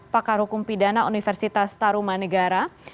pakar hukum pidana universitas tarumanegara